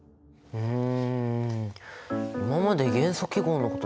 うん。